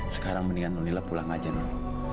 sekarang mendingan nonila pulang aja non